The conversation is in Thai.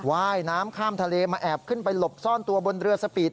ว่ายน้ำข้ามทะเลมาแอบขึ้นไปหลบซ่อนตัวบนเรือสปีด